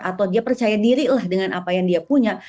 atau dia percaya diri lah dengan apa yang dia punya